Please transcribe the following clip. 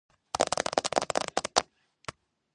ხელმძღვანელობს საქართველოს ჩოგბურთის ფედერაცია.